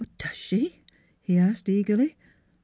Does she ?" he asked eagerly.